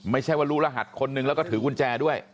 ไม่ใช่ว่ารู้รหัสคนนึงแล้วก็ถือกุญแจด้วย